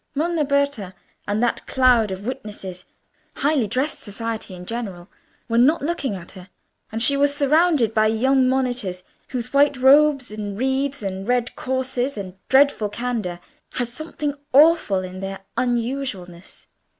Monna Berta and that cloud of witnesses, highly dressed society in general, were not looking at her, and she was surrounded by young monitors, whose white robes, and wreaths, and red crosses, and dreadful candour, had something awful in their unusualness.